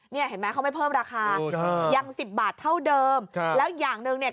เห็นไหมเขาไม่เพิ่มราคายังสิบบาทเท่าเดิมใช่แล้วอย่างหนึ่งเนี่ย